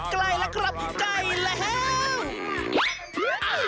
ใกล้แล้วครับใกล้แล้ว